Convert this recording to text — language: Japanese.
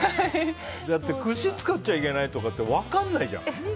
だってくし使っちゃいけないとか分かんないじゃん。